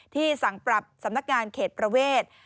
สั่งปรับสำนักงานเขตประเวท